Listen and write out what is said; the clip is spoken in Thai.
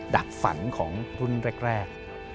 ดักฝันของรุ่นแรก